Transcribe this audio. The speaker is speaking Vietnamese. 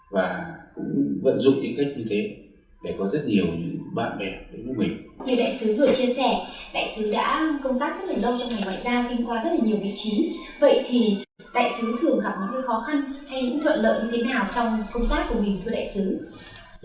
và cũng vận dụng những cách như thế để có rất nhiều bạn bè của mình